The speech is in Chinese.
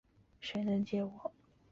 现代土耳其的边境确定下来。